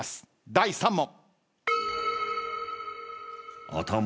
第３問。